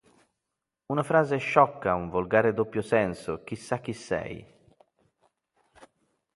Una frase sciocca un volgare doppio senso, chissà chi sei